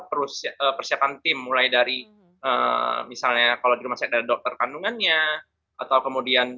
terus persiapan tim mulai dari misalnya kalau di rumah sakit ada dokter kandungannya atau kemudian